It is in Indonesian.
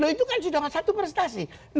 itu kan sudah satu prestasi